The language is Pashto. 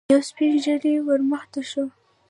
يو سپين ږيری ور مخته شو.